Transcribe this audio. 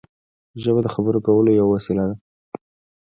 ژبه د خبرو کولو یوه وسیله ده.